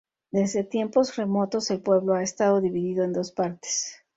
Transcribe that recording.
Desde tiempos remotos, el pueblo ha estado dividido en dos partes.